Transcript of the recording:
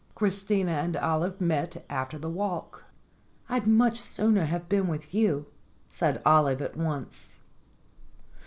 Christina and Olive met after the walk. "I'd much sooner have been with you," said Olive at once.